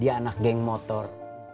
dia anak geng motor